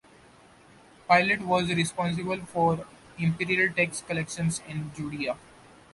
Pilate was responsible for imperial tax collections in Judaea.